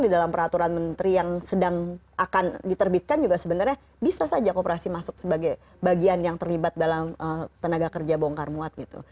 di dalam peraturan menteri yang sedang akan diterbitkan juga sebenarnya bisa saja kooperasi masuk sebagai bagian yang terlibat dalam tenaga kerja bongkar muat gitu